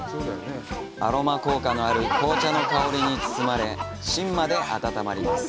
アロマ効果のある紅茶の香りに包まれ芯まで温まります。